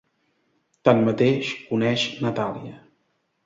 Tanmateix, coneix Natàlia.